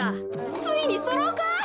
ついにそろうか？